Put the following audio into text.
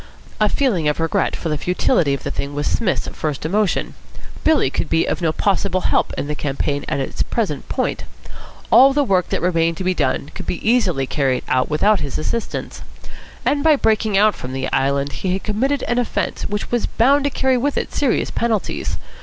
A feeling of regret for the futility of the thing was Psmith's first emotion. Billy could be of no possible help in the campaign at its present point. All the work that remained to be done could easily be carried through without his assistance. And by breaking out from the Island he had committed an offence which was bound to carry with it serious penalties.